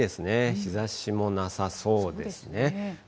日ざしもなさそうですね。